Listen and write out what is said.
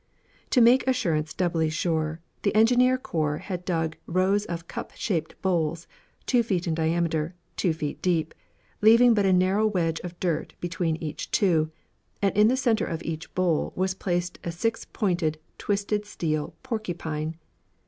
To make assurance doubly sure, the Engineer Corps had dug rows of cup shaped bowls, two feet in diameter, two feet deep, leaving but a narrow wedge of dirt between each two; and in the centre of each bowl was placed a six pointed twisted steel 'porcupine.'